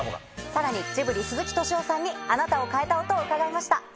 さらにジブリ鈴木敏夫さんにあなたを変えた音を伺いました。